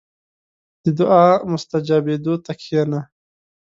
• د دعا مستجابېدو ته کښېنه.